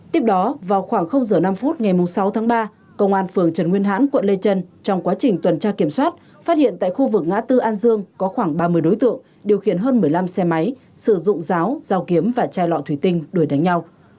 tiếp đó vào khoảng giờ năm phút ngày sáu tháng ba công an phường trần nguyên hãn quận lê trân trong quá trình tuần tra kiểm soát phát hiện tại khu vực ngã tư an dương có khoảng ba mươi đối tượng điều khiển hơn một mươi năm xe máy sử dụng ráo dao kiếm và chai lọ thủy tinh đuổi đánh nhau